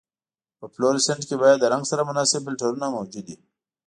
په فلورسنټ کې باید د رنګ سره مناسب فلټرونه موجود وي.